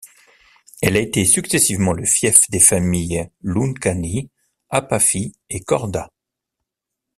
Elle a été successivement le fief des familles Luncani, Apafi et Korda.